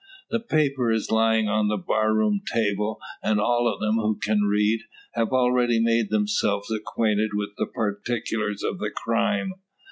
The paper is lying on the bar room table; and all of them, who can read, have already made themselves acquainted with the particulars of the crime.